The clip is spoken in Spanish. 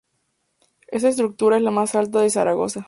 Esta estructura es la más alta de Zaragoza.